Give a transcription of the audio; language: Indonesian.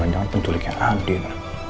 jangan jangan penculik yang adil